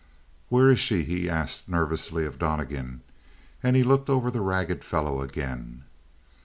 "Where is she?" he asked nervously of Donnegan, and he looked over the ragged fellow again.